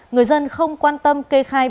người dân không quan tâm kê khai